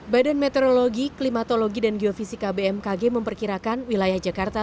badan meteorologi klimatologi dan geofisika bmkg memperkirakan wilayah jakarta